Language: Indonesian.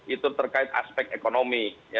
itu terkait aspek ekonomi